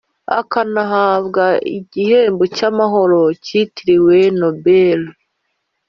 akanahabwa igihembo cy'amahoro cyitiriwe nobel